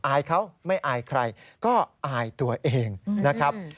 อายเขาไม่อายใครก็อายตัวเองนะครับ